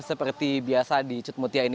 seperti biasa di cudmutia ini